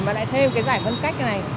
mà lại thêm cái giải phân cách này